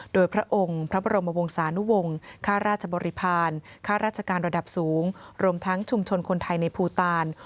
โดยพระองค์พระบรมวงศานุวงศ์ค่าราชบริพาณค่าราชการระดับสูงรวมทั้งชุมชนคนไทยในภูตาล